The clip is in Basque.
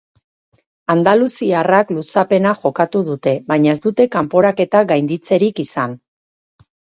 Andaluziarrak luzapena jokatu dute, baina ez dute kanporaketa gainditzerik izan.